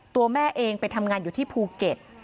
ตัวแม่เองไปทำงานอยู่ที่ภูเก็ต